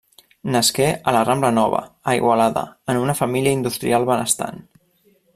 Nasqué a la rambla Nova, a Igualada, en una família industrial benestant.